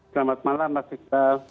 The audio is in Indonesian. selamat malam pak fikra